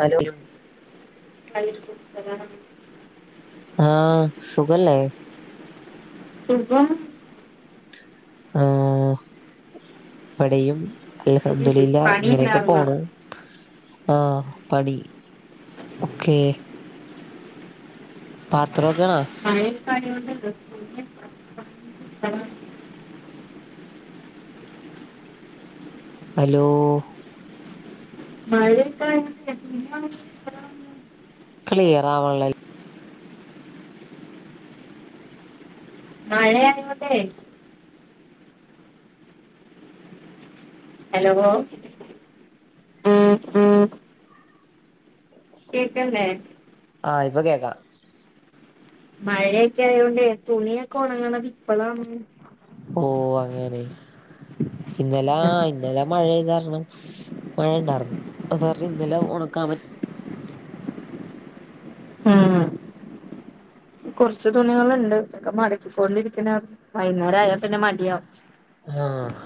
Hello അലിക്കൂത്തല [unintelligible] ആഹ സുഖലേ സുഖം ആ ഇവിടെയും ഇച്ചിരി അൽഹംദുലില്ല ഇങ്ങനെയൊക്കെ പണിയുണ്ടായിരുന്നു പോണ് ആഹ പണി ഓക്കെ പാത്രക്കണോ ആഹ് പണി എടുക്കാത്തോണ്ട് [inaudible] ഹലോ മഴക്ക [unintelligible] ക്ലിയർ ആവുണ്ല്ലേ മഴയേണ് ഇവടെ ഹലോ [inaudible] കേക്ക്ണ്ല്ലേ ആഹ ഇപ്പൊ കേൾക്കാം മഴയൊക്കെ അയോണ്ടേ തുണിയൊക്കെ ഉണങ്ങണത് ഇപ്പോളാ ഓ അങ്ങനെ ഇന്നലാ ഇന്നലെ മഴെയ ത് കാരണം മഴ ഉണ്ടായിരുന്നു അത് കാരണം ഇന്നലെ ഉണക്കാൻ പറ്റ ഉം കൊറച്ച് തുണികൾണ്ട്ക് ഒക്കെ മടക്കി കെണ്ടിരിക്ക്ണ് വൈകുന്നേരം ആയാ പിന്നെ മടിയവും ആഹ്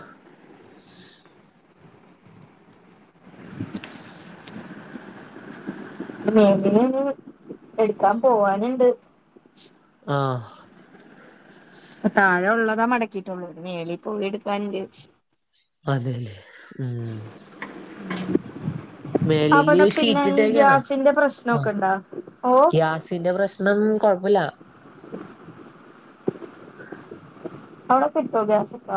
വേണ്ടിന [unintelligible] എടുക്കാൻ പോവാനുണ്ട് ആഹ് അപ്പ താഴെ ഉള്ളതാ മടക്കിയിട്ടുള്ളൂ മേളി പോയി എടുക്കാൻണ്ട് അതെല്ല ഉം [inaudible] മേളില് അവിടെ പിന്നെ ഈ ഷീറ്റിട്ടേക്കാണാ ഗ്യാസിന്റെ പ്രശ്നംക്കെ ഇണ്ടേ ഓ സിന്റെ പ്രശ്നം കുഴപ്പമില്ല അവട കിട്ടോ ഗസക്ക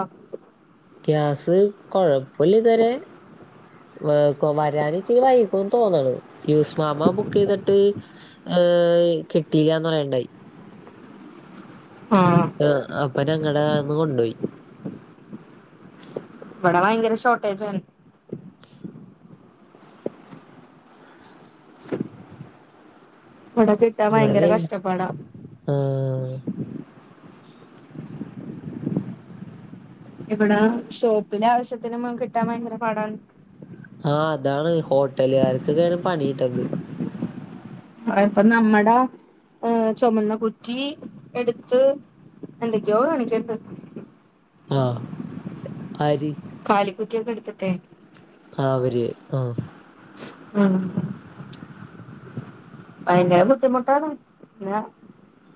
ഗ്യാസ് കൊഴപ്പില്ല ഇതുവരെ വരിയാണി ചെയ വൈക്കോന്ന് തോന്നണ യ ഉസ്മാമ്മ ബുക്ക് ചെയ്തിട്ട് ഏഹ് കിട്ടില്ലന്ന് പറയണ്ടായി ആഹ അപ്പനെ അങ്ങടെന്ന് കൊണ്ടേയി ഇവിടെ ഭയങ്കര ഷോർട്ടേജാണ് ഇവിടെ കിട്ടാ ഇവിടെ ഭയങ്കര വരും കഷ്ടപ്പാടാ ആഹ് ഇബടെ ഷോപ്പിലെ ആവശ്യത്തിന് കിട്ടാൻ ഭയങ്കര പാടാണ് ആഹ് അതാണ് ഹോട്ടലുകാർക്കൊക്കെയാണ് പണി കിട്ടണ്ത് അപ്പൊ നമ്മുടെ ഏ ചുമന്ന കുറ്റി എടുത്ത് എന്തൊക്കെയോ [unintelligible] ആഹ് ആര് കാലിക്കുറ്റിയൊക്കെ എടുത്തിട്ടേ ആ അവര് ആ ഉം ഭയങ്കര ബുദ്ധിമുട്ടാണ് ന്നാ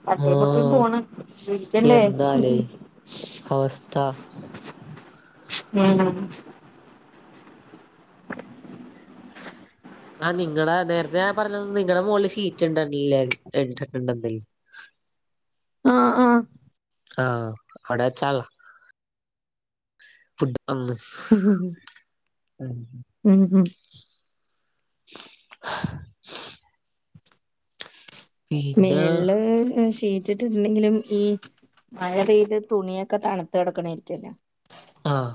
തട്ടിം മുട്ടിം മ ആഹ് പോണ് ചിവിക്കേണ്ടേ എന്താലേ അവസ്ഥ ഉം [inaudible] ആഹ് നിങ്ങള നേരത്തെ ഞാൻ പറഞ്ഞത് നിങ്ങളടെ മോളിൽ ഷീറ്റ് ഇണ്ടല്ലേ ഇട്ട്ടുണ്ടന്നല്ലേ ആഹ് ആഹ് ആഹ് അവിടെവെച്ചാളാ ഫുഡ് അന്ന് ഉം ഉം [inaudible] പിന്നെ മേള്ല് ശീ വിരിച്ചിട്ടുണ്ടെങ്കിലും ഈ മഴ പെയ്ത് തുണിയൊക്കെ തണുത്ത് കിടക്കണായിരിക്കല്ലോ ആഹ്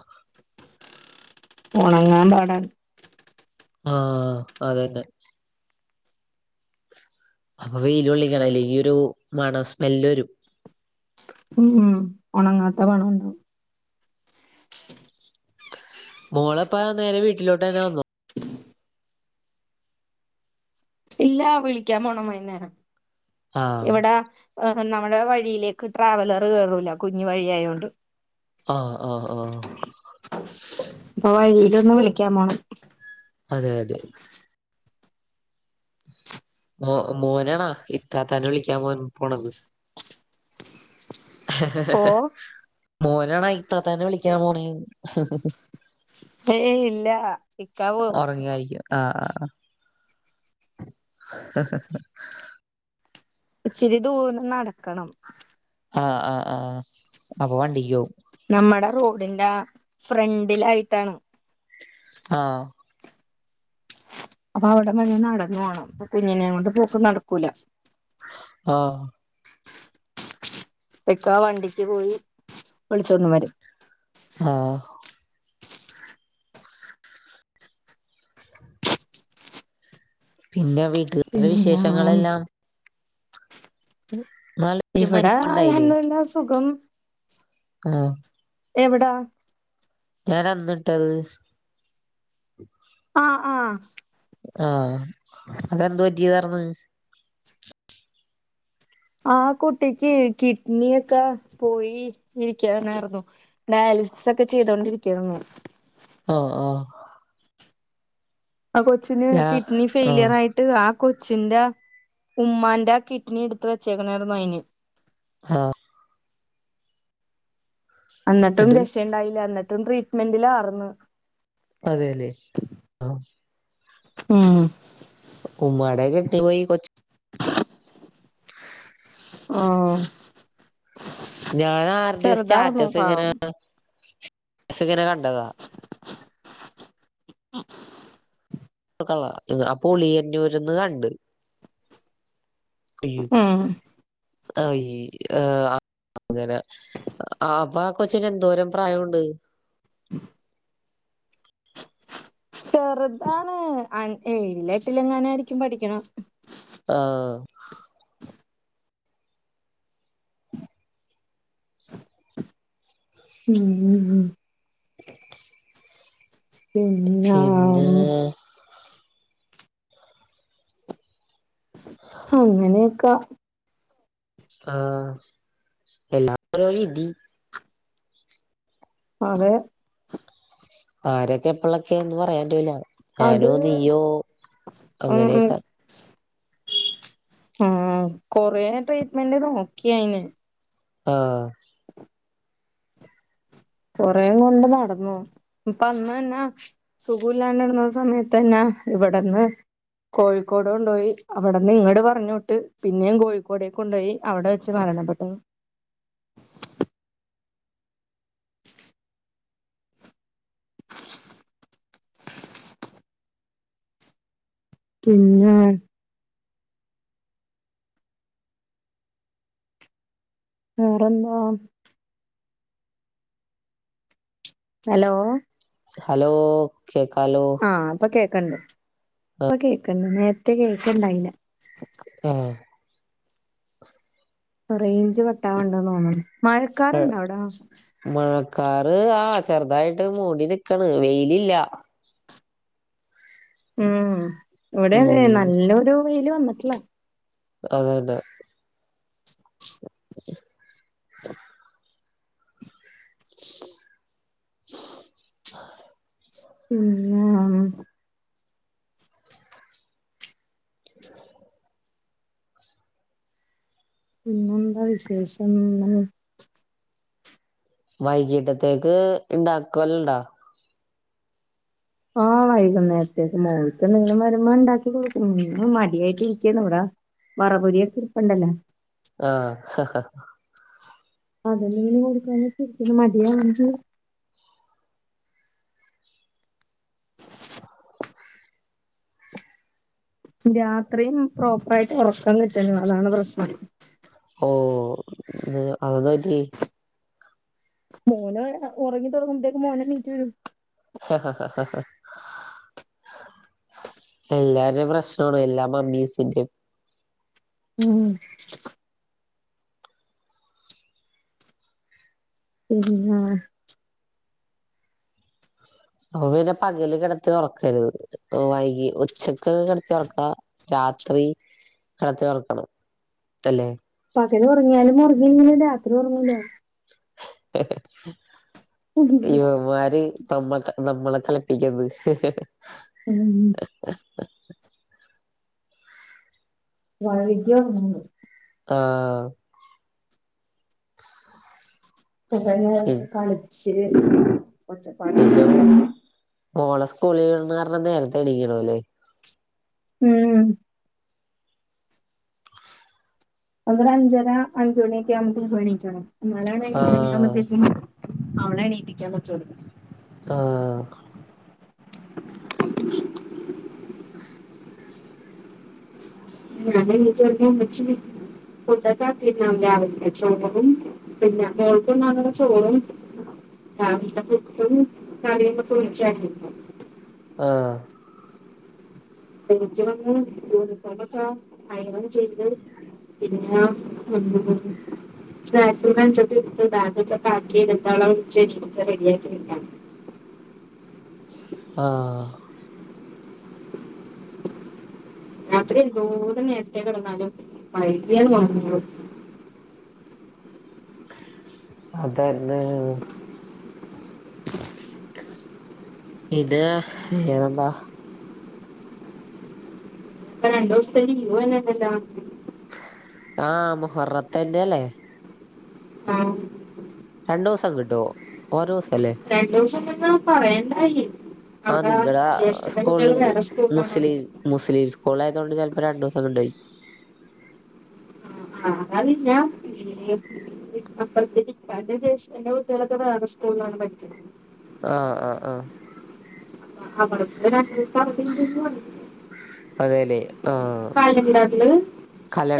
ഉണങ്ങാൻ പാടാണ് ആഹ് അതന്നെ അപ്പൊ വെയിലൊള്ളിക്കണം ഇല്ലെങ്കി ഒരു മണം സ്മെല്ല് വരും ഉം ഉം ഒണങ്ങാത്ത മണം ഉണ്ടാവും മോളെപ്പ നേരെ വീട്ടിലോട്ട് തന്നെ വന്നു ഇല്ല വിളിക്കാൻ പോണം വൈകുന്നേരം ആഹ് ഇവിടെ ഏഹ് നമ്മടെ വഴിയിലേക്ക് ട്രാവലറ് കേറുല്ല കുഞ്ഞു വഴിയായൊണ്ട് ആഹ് ആഹ് ആഹ് ഇപ്പൊ വഴിയില് വന്ന് വിളിക്കാൻ പോണം അതെ അതെ മോ മോനാണാ ഇത്താത്താനെ വിളിക്കാൻ പോയത് പോണത് പോ മോനാണോ ഇത്താത്താനെ വിളിക്കാന് മോന്നേ ഏ ഇല്ല ഇക്കാ പോവും ഒറങ്ങായിരിക്കും ആഹ് ഇച്ചിരി ദൂരം നടക്കണം ആഹ് ആഹ് ആഹ് അപ്പൊ വണ്ടി വണ്ടിക്യോവും നമ്മടെ റോഡിന്റെ ഫ്രണ്ടിലായിട്ടാണ് ആഹ് അപ്പൊ അവിടെ മെല്ല നടന്നു പോണം അപ്പ കുഞ്ഞിനെകൊണ്ട് പോക്കും നടക്കൂല ആഹ് പെക്ക വണ്ടിക്ക് പോയി വിളിച്ചോണ്ട് വരും ആഹ് പിന്നെ വീട്ടിൽത്തെ പിന്നെ വിശേഷങ്ങളെല്ലാം ന്നാള് ഇവിടെ അൽഹംദുലില്ലാ സുഖം ആഹ് എവ്‌ടാ ഞാൻ അന്നിട്ടത് ആഹ് ആഹ് ആഹ് അതെന്ത് പറ്റിയതർന്ന് ആ കുട്ടിക്ക് കിഡ്നിയൊക്കെ പോയി ഇരിക്കയാരുന്ന് ഡയാലിസിസ് ഒക്കെ ചെയ്തൊണ്ടിരിക്കുകയരുന്നു ആഹ് ആഹ് ആഹ് കൊച്ചിന് ഞാ കിഡ്നി ആഹ് ഫെയിലയർ ആയിട്ട് ആ കൊച്ചിന്റെ ഉമ്മാന്റെ കിഡ്നി എടുത്ത് വച്ചേക്കണായിരുന്നു അതിന് ആഹ് എന്നിട്ടും ന്നട്ട് രശ ഉണ്ടായില്ല എന്നിട്ടും ട്രീറ്റ്മെന്റിലറുന്ന് അതെ അല്ലെ ഉഹ്ഹ് കുമ്മാടെ കെട്ടി പോയി കൊച്ച് ആഹ് ഞാൻ ആരുടെയോ ചെറുതാർന്നു സ്റ്റാറ്റസ് ഇങ്ങനെ പാവം സ്റ്റാറ്റസ് ഇങ്ങനെ കണ്ടതാ [unintelligible] [unintelligible] അപ്പൊ ഉളിയന്നുരുന്ന് കണ്ട് അയ്യു ഉം ഐ ആഹ് അങ്ങന ആഹ്ഹ് അപ്പൊ ആ കൊച്ചിന് എന്തോരം പ്രായം ഉണ്ട് ചെറുതാണ് ഏഴലേട്ടില എങ്ങനൊയിയിരിക്കും പഠിക്കണം ആഹ് ഉഹ് പിന്നെ പിന്നാഹ് അങ്ങനെയൊക്ക ആഹ് എല്ലാം ഓരോ വിധി അതെ ആരൊക്കെ എപ്പളൊക്കെ എന്ന് പറയാൻ പറ്റില്ല അത് ഞാനോ നീയോ അങ്ങനെയൊക്കെ ആഹ് കറേ ട്രീറ്റ്മെന്റ് നോക്കിയയിന് ആഹ കൊറേം കൊണ്ട് നടന്നു ഇപ്പ അന്ന്ന്നാ സുഖല്ലാണ്ട് കിടന്ന സമയത്ത് തന്നെ ഇവിടെന്ന് കോഴിക്കോട് കൊണ്ട് പോയി അവിടെന്ന് ഇങ്ങട് പറഞ് വിട്ട് പിന്നേ കോഴിക്കോടക്ക് കൊണ്ടുപയി അവിടെ വെച്ച് മരണപ്പെട്ടു പിന്നെ വേറെന്താ ഹലോ ഹലോ കേക്കാലോ ആഹ് ഇപ്പൊ കേൾക്കണ്ട് ഇപ്പൊ കേക്കണ്ട് നേരത്തെ കേക്കണ്ടയില്ല മ്മ്ഹ്ഹ് റേഞ്ച് കട്ടവണുണ്ടെന്നു തോന്നുന്ന് മഴക്കാറുണ്ട അവിടാ മഴക്കാറ് ആഹ് ചെറുതായിട്ട് മൂടി നൽക്കണ് വെയിലില്ല ഉഹ് ഇവിടെ അതുതന്നെ ഉം നല്ലൊരു വെയില് വന്നിട്ടില്ല അതെന്നെ [unintelligible] പിന്നെ എന്താ വിശേഷം വൈകിട്ടത്തേക്ക് ഇണ്ടാക്കുവൽ ഇണ്ടാ ആഹ് വൈകുന്നേര്ത്തേക്ക് മോൾക്കെന്തെങ്കിലും വരുമ്പം ഇണ്ടാക്കി കൊടുക്കും ഉമ് മടിയായിട്ട് ഇരിക്കേന്ന് ഇവിടാ വറപൊരിയൊക്കിരിപ്പിണ്ടല്ലാ ആഹ് അതന്നെ [unintelligible] കൊടുക്ക വെച്ചിരിക്ക്ന്ന് മടിയ [unintelligible] [inaudible] രാത്രി ഉമ് പ്രോപ്പറായിട്ട് ഒറക്കം കിട്ടുന്നു അതാണ് പ്രശ്നം ഓ നിങ്ങ അതെന്ത് പറ്റി മോന് അ ഒറങ്ങി തൊടങ്ങുമ്പത്തേക്കും മോനെ എണീറ്റ് വരും ഹ് ഹ ഹ ഹ ഹ എല്ലാരേം പ്രശ്നാണ് എല്ലാ മമ്മീസിന്റേം ഉമ് ഉമ് ഉമ് ആഹ് അപ്പൊ പിന്നെ പകല് കെടത്തി ഒറക്കര്ത് വൈകി ഉച്ചക്കൊക്കെ കെടത്തി ഒറക്കാ രാത്രി കെടത്തിയൊറക്കണം അല്ലേ പകല് ഒറങ്ങിയാലും ഒറങ്ങില്ലേലും രാത്രി ഒറങ്ങൂലേ ഇവന്മാര് [unintelligible] നമ്മളെ കളിപ്പിക്ക്ന്ന് ഉമ് [unintelligible] ആഹ് പി [unintelligible] കളിച്ച് ഒച്ചപ്പാട് പിന്നെ മോളെ സ്ക്കൂളിൽ വിടണ കാരണം നേരത്തെ എണീക്കണോല്ലേ ഉമ് അതൊര് അഞ്ചര അഞ്ച് മണിയൊക്കെ ആകുമ്പത്തേക്കും എണീക്കണം എന്നാലാണ് [unintelligible] ആഹ് മണിയാകുമ്പത്തേക്കും അവളെ എണീപ്പിക്കാൻ പറ്റുള്ളൂ ആഹ് [inaudible] ഞാനെണീച്ച് [unintelligible] ഉമ്മച്ചി ഫുഡൊക്കെ ആക്കിട്ടുണ്ടാവും രാവിൽത്തെ ചോറും പിന്ന മോൾക്കെന്നാന്ന് ഉള്ള ചോറും രാവിൽ ത്തെ പുട്ടും കറിയും [unintelligible] ആഹ് [unintelligible] പിന്നാ [unintelligible] സ്നാക്സും ലഞ്ചൊക്കെ എടുത്ത് ബാഗൊക്കെ പാക്കെയ്തിട്ടോളെ വിളിച്ചെണീപ്പിച്ച് റെഡിയാക്കി വിട്ടാ ആഹ് രാത്രി എതൊരു നേരത്തെ കെടന്നാലും വൈകിയാണൊറങ്ങുള്ളു അതന്നെ ഇത് വേറെന്താ ഇപ്പ രണ്ടൂസ്ത്തെക്ക് ലീവ് വരുന്നുണ്ടല്ലാ ആഹ് മുഹർ ത്തന്റല്ലേ ആഹ് രണ്ടൂസം കിട്ടോ ഓരോസല്ലേ രണ്ടൂസം ഇണ്ടെന്ന് പറയിണ്ടായി ആഹ് അവിടാ നിങ്ങടെ ജ്യേഷ്ഠന്റെ കുട്ടിയള് വേറെ സ്കൂളിലാണ് പഠിക്ക്ന്ന് മുസ്‌ലിം സ്കൂളായതോണ്ട് ചെലപ്പോ രണ്ടൂസംണ്ടായി [unintelligible] അപ്പറത്തേ [unintelligible] ജേഷ്ഠന്റെ കുട്ട്യോളൊക്കെ വേറെ സ്കൂളിലാണ് പഠിക്കുന്നത് ആഹ് ആഹ് ആഹ് അവർക്ക് രണ്ടൂസം അവധിയിണ്ടെന്ന് പറഞ്ഞ് അതെ ല്ലെ ആഹ്. കലണ്ടറില്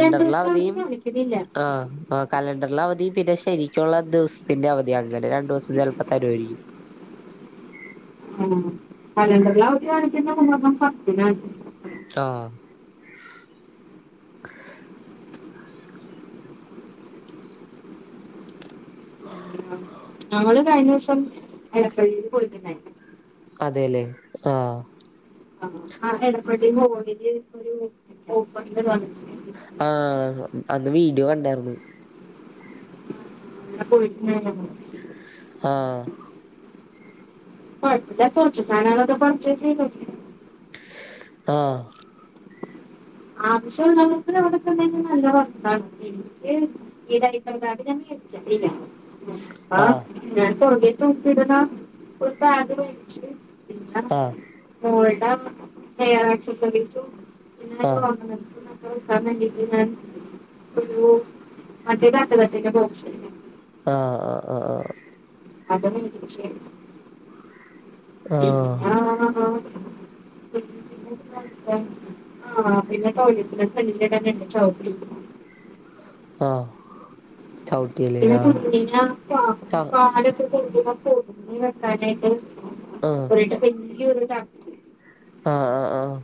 രണ്ടു ദിവസത്തെ അവധി കാണിക്കുന്നില്ല ആഹ് ആഹ്, കലണ്ടറ്ലെ അവധിം പിന്നെ ശരിക്കുള്ള ദിവസത്തിന്റെ അവധിം അങ്ങനെ രണ്ടു ദിവസം ചെലപ്പോ തരുവായിരിക്കും. ഉം. കലണ്ടറ്ലവധി കാണിക്കുന്ന മുഹറം പത്തിനാണ്. ആഹ് [unintelligible] ആഹ് ഞങ്ങള് കഴിഞ്ഞ വസം എടപ്പള്ളിയില് പോയിട്ടുണ്ടായി അതെ ല്ലേ ആഹ് [unintelligible] ആ എടപ്പള്ളി മോളില് ഒരു ഓഫറിന്റെ ഇത് വന്നി ആഹ് [unintelligible] അന്ന് വീഡിയോ കണ്ടാര്ന്നു. ഞാൻ പോയിട്ടുണ്ടായിന്നു അന്ന് ഓഫീസിക്ക് ആഹ് കൊഴപ്പല്ല കൊറച്ച് സാനങ്ങളൊക്കെ പർച്ചേഴ്സ് ചെയ്തു. ആഹ് ആവശ്യമുള്ളവർക്ക് അവിടെ ചെന്ന് കഴിഞ്ഞ നല്ല വർത്താണ. പിന്നെ ഈടൈപ്പർ ബാഗ് ഞാൻ മേടിച്ചിട്ടില്ല. ആ ആഹ് ഞാൻ പൊറകെ തൂക്കിടുന്ന ഒരു ബാഗ് മേടിച്ച് പിന്നെ ആഹ് മോൾടെ ഹെയർ ആക്സസറീസും പിന്നെ അയ്ക്ക് ഓർണമന്റസും നോക്കാൻ വേണ്ടീട്ട് ഞാൻ ഒരുഉ മറ്റേ കട്ടകട്ടന്റെ ബോക്സ്‌ ആഹ് ആഹ് ആഹ് ആഹ് അതൊന്നും നിക്ക് വിഷയല്ല പിന്നെ ആഹ് ആഹ് ആഹ് ആഹ് [inaudible] ആ പിന്നെ ടോയ്ലറ്റിന്റെ ഫ്രണ്ടിലിടാൻ രണ്ട് ചൗട്ടി. ആഹ് ചൗ പിന്നെ കുഞ്ഞിനാ പാ പാലൊക്കെ കൊടുക്കുമ്പം പൊതിഞ്ഞു വെക്കാനായിട്ട്. ആഹ് [unintelligible] വടെ വല്ല്യൊരു ച ആഹ് ആഹ് ആഹ്